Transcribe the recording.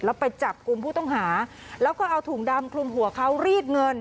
แล้วไปจับกลุ่มผู้ต้องหาแล้วก็เอาถุงดำคลุมหัวเขารีดเงิน